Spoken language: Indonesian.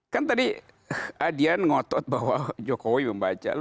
kan tadi adian ngotot bahwa jokowi membaca